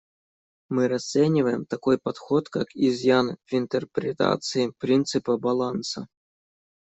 Мы расцениваем такой подход как изъян в интерпретации принципа баланса.